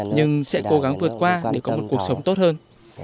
nhưng sẽ cố gắng vượt qua để có một cuộc sống tốt hơn